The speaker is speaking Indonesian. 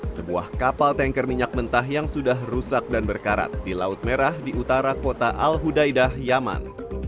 sebuah kapal tanker minyak mentah yang sudah rusak dan berkarat di laut merah di utara kota al hudaidah yaman